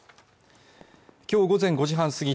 きょう午前５時半過ぎ